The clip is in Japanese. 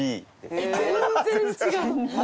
全然違う！